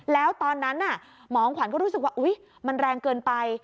แล้วตอนนั้นหมองขวัญก็รู้สึกว่ามันแรงเกินไป